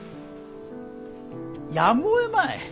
やむをえまい。